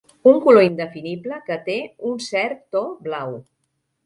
Un color indefinible que té un cert to blau.